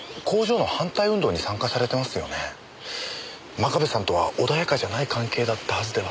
真壁さんとは穏やかじゃない関係だったはずでは？